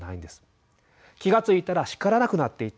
「気がついたら叱らなくなっていた」